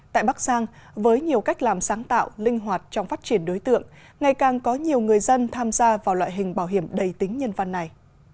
tại bắc giang với nhiều cách làm sáng tạo linh hoạt trong phát triển đối tượng ngày càng có nhiều người dân tham gia vào loại hình bảo hiểm đầy tính nhân văn này